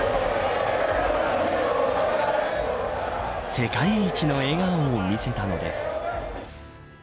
世界一の笑顔を見せたのです。